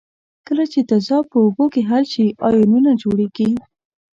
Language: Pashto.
کله چې تیزاب په اوبو کې حل شي آیونونه جوړیږي.